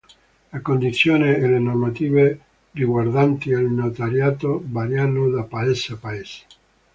Le condizioni e le normative riguardanti il notariato variano da paese a paese.